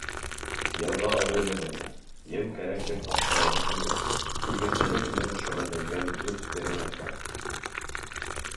Йылға ауыл янында, ем кәрәк тип аптырайһы түгел — игенселек менән шөғөлләнгән дүрт фермер бар.